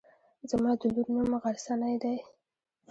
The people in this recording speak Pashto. زما د لور نوم غرڅنۍ دی.